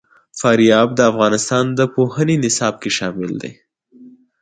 فاریاب د افغانستان د پوهنې نصاب کې شامل دي.